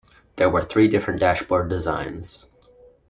There were three different dashboard designs.